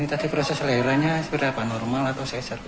ini tadi proses lahirannya normal atau cesar